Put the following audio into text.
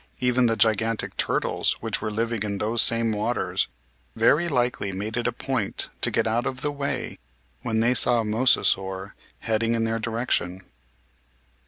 Even the gigantic turtles which were living in those same waters very likely made it a point to get out of the way when they saw a Mosasaur headed in their direction.